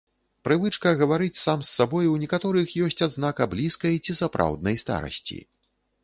Прывычка гаварыць сам з сабой у некаторых ёсць адзнака блізкай ці сапраўднай старасці.